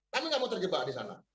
kami nggak mau terjebak di sana